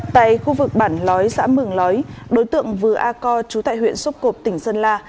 tại khu vực bản lói xã mường lói đối tượng vừa a co trú tại huyện xúc cộp tỉnh sơn la